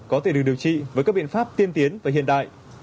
có thể được điều trị với các biện pháp tiên tiến và hiện đại